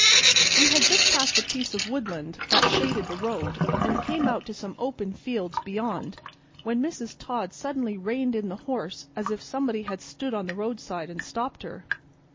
We had just passed a piece of woodland that shaded the road, and come out to some open fields beyond, when Mrs. Todd suddenly reined in the horse as if somebody had stood on the roadside and stopped her.